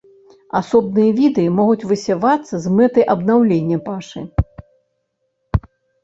Асобныя віды могуць высявацца з мэтай аднаўлення пашы.